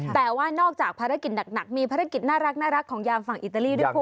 แต่ว่านอกจากภารกิจหนักมีภารกิจน่ารักของยามฝั่งอิตาลีด้วยคุณ